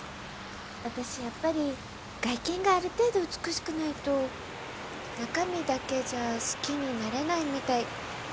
「あたしやっぱり外見がある程度美しくないと」「中身だけじゃ好きになれないみたい」